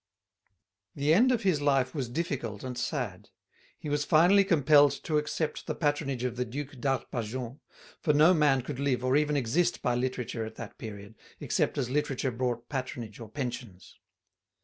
The end of his life was difficult and sad. He was finally compelled to accept the patronage of the Duc d'Arpajon, for no man could live or even exist by literature at that period, except as literature brought patronage or pensions.